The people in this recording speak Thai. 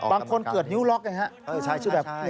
บางคนเกิดนิ้วล็อกนะครับ